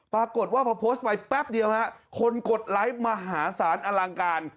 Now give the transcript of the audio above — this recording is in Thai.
ปรากฏว่าพอโพสต์ไปแป๊บเดียวคนกดไลค์มหาศาลอลังการ